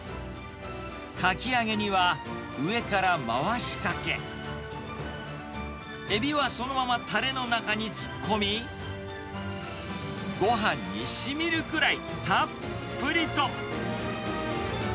かき揚げには上から回しかけ、エビはそのままたれの中に突っ込み、ごはんにしみるくらいたっぷりと。